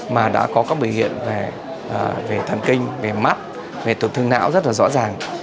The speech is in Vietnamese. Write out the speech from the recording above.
mà đã có các bệnh viện về thần kinh về mắt về tổn thương não rất là rõ ràng